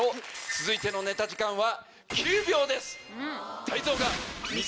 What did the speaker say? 続いてのネタ時間は。